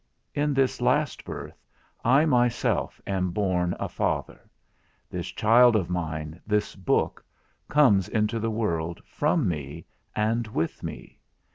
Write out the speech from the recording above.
In this last birth, I myself am born a father: this child of mine, this book, comes into the world, from me, and with me.